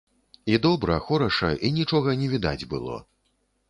І добра, хораша, і нічога не відаць было.